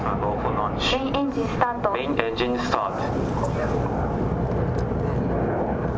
メインエンジン、スタート。